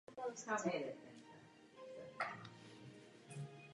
Neuville tak zvítězil poprvé v kariéře.